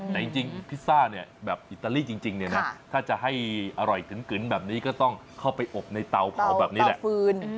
แต่จริงพิซซ่าเนี่ยแบบอิตาลีจริงเนี่ยนะถ้าจะให้อร่อยกึนแบบนี้ก็ต้องเข้าไปอบในเตาเผาแบบนี้แหละ